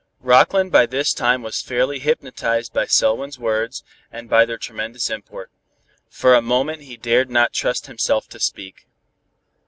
Rockland by this time was fairly hypnotized by Selwyn's words, and by their tremendous import. For a moment he dared not trust himself to speak.